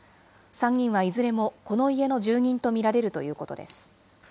３人はいずれもこの家の住人と見られるということです。